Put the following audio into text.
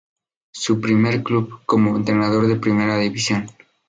Su primer club como entrenador de Primera División.